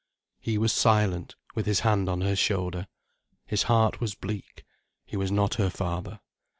He was silent, with his hand on her shoulder. His heart was bleak. He was not her father.